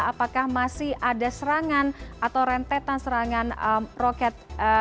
apakah masih ada serangan atau rentetan serangan roket